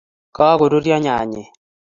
kagoruryo nyayek